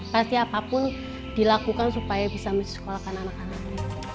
pasti apapun dilakukan supaya bisa mesej sekolah kan anak anak